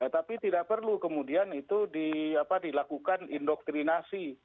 tapi tidak perlu kemudian itu dilakukan indoktrinasi